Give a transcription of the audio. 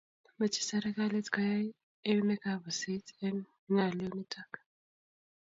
mache serikalit koyae eunek ab pusit eng ngalyo nitok